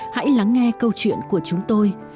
hãy lắng nghe câu chuyện của chúng tôi